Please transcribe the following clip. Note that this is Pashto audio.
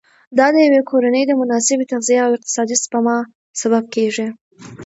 دا د یوې کورنۍ د مناسبې تغذیې او اقتصادي سپما سبب کېږي.